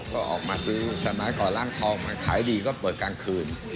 ก็ออกมาซื้อสมัยก่อนร้านทองขายดีก็เปิดกลางคืน